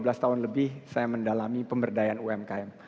hampir lima belas tahun lebih saya mendalami pemberdayaan umkm